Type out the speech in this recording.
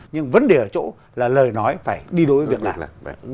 nhưng vấn đề ở chỗ là lời nói phải đi đối với các bạn